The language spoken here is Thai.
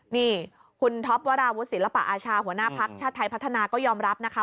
นี่คุณท็อปวราวุศิลปะอาชาหัวหน้าภักดิ์ชาติไทยพัฒนาก็ยอมรับนะคะ